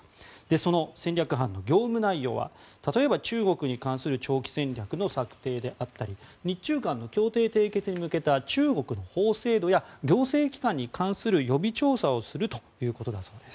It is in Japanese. その戦略班の業務内容は例えば中国に対する長期戦略の策定であったり日中間の協定締結に向けた中国の法制度や行政機関に関する予備調査をするということだそうです。